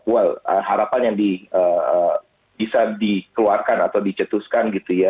well harapan yang bisa dikeluarkan atau dicetuskan gitu ya